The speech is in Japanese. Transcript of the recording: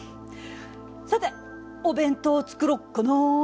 さてお弁当を作ろっかな。